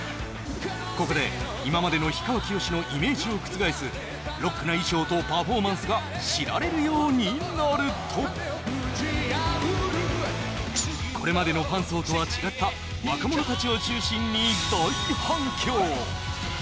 ここで今までの氷川きよしのイメージを覆す、ロックな衣装とパフォーマンスが知られるようになるとこれまでのファン層とは違った若者たちを中心に大反響。